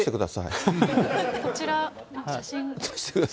こちらの写真。